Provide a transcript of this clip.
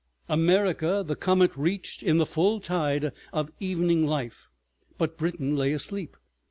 America the comet reached in the full tide of evening life, but Britain lay asleep.